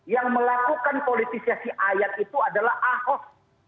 yang melakukan politisasi ayat itu adalah ahok